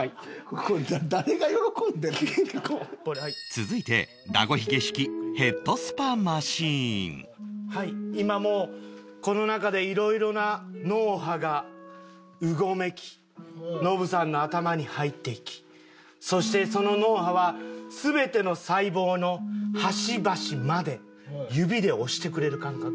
続いてはい今もうこの中でいろいろな脳波がうごめきノブさんの頭に入っていきそしてその脳波は全ての細胞の端々まで指で押してくれる感覚です。